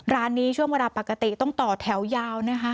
ร้านนี้ช่วงเวลาปกติต้องต่อแถวยาวนะคะ